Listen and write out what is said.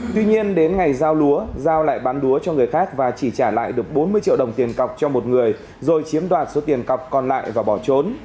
tuy nhiên đến ngày giao lúa giao lại bán lúa cho người khác và chỉ trả lại được bốn mươi triệu đồng tiền cọc cho một người rồi chiếm đoạt số tiền cọc còn lại và bỏ trốn